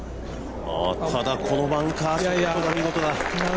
ただこのバンカーショットが見事な。